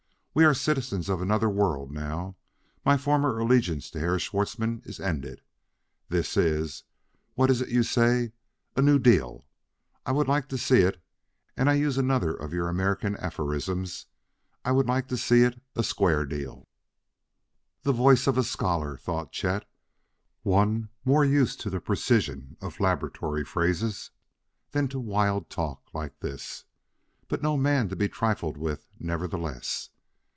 We are citizens of another world now; my former allegiance to Herr Schwartzmann is ended. This is what is it you say? a new deal. I would like to see it; and I use another of your American aphorisms: I would like to see it a square deal." The voice of a scholar, thought Chet; one more used to the precision of laboratory phrases than to wild talk like this; but no man to be trifled with, nevertheless.